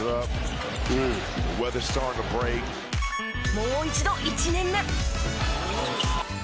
もう一度１年目。